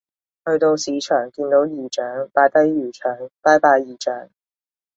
去到市場見到姨丈擺低魚腸拜拜姨丈